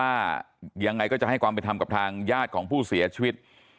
ว่ายังไงก็จะให้ความเป็นธรรมกับทางญาติของผู้เสียชีวิต